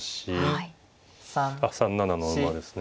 あっ３七の馬ですね。